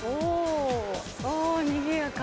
おにぎやか。